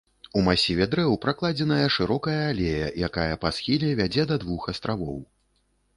У масіве дрэў пракладзеная шырокая алея, якая па схіле вядзе да двух астравоў.